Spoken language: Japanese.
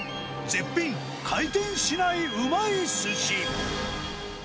絶品回転しないうまいすし！